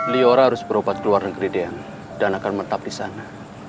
liora harus berobat keluar dan keridik dan akan menetap di sana